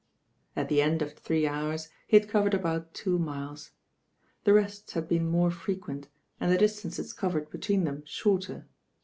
At the end of three hours he had covered about two miles. The rests had been more frequent, and the distances covered between them shorter.